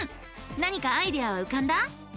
何かアイデアはうかんだ？